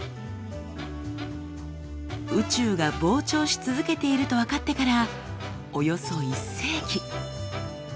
宇宙が膨張し続けていると分かってからおよそ１世紀。